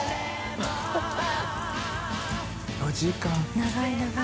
長い長い。